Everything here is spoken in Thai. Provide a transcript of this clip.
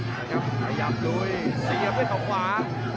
พยายามลุยเสียเพื่อนของขวา